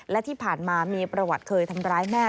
และที่ผ่านมามีประวัติเคยทำร้ายแม่